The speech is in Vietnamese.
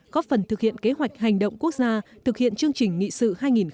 có phần thực hiện kế hoạch hành động quốc gia thực hiện chương trình nghị sự hai nghìn ba mươi